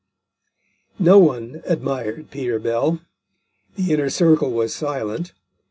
No one admired Peter Bell. The inner circle was silent.